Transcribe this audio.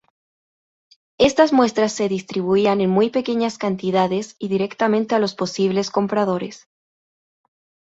Estas muestras se distribuían en muy pequeñas cantidades y directamente a los posibles compradores.